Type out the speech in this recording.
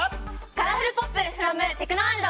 カラフルポップフロムテクノワールド！